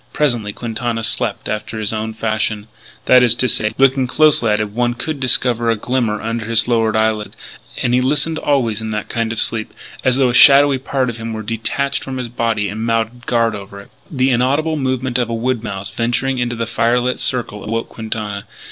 Presently Quintana slept after his own fashion that is to say, looking closely at him one could discover a glimmer under his lowered eyelids. And he listened always in that kind of sleep. As though a shadowy part of him were detached from his body, and mounted guard over it. The inaudible movement of a wood mouse venturing into the firelit circle awoke Quintana.